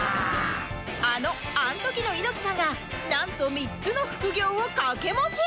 あのアントキの猪木さんがなんと３つの副業を掛け持ち